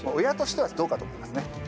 親としてはどうかと思いますね。